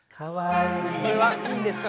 これはいいんですか？